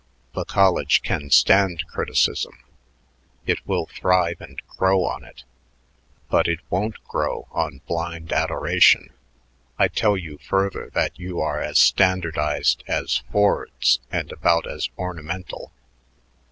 The college can stand criticism; it will thrive and grow on it but it won't grow on blind adoration. I tell you further that you are as standardized as Fords and about as ornamental.